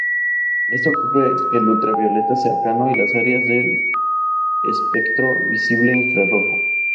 Esto cubre el ultravioleta cercano, y las áreas del espectro visible e infrarrojo.